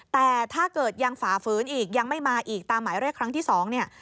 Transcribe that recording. แต่ถ้าเกิดยังฝ่าฝืนอีกยังไม่มาอีกตามหมายเรียกครั้งที่๒เนี่ย